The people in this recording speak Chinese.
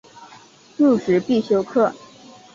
入职必修课